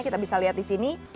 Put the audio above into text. kita bisa lihat di sini